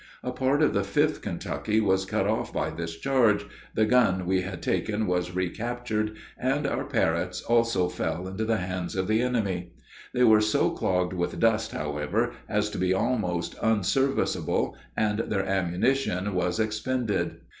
A part of the 5th Kentucky was cut off by this charge, the gun we had taken was recaptured, and our Parrotts also fell into the hands of the enemy. They were so clogged with dust, however, as to be almost unserviceable, and their ammunition was expended.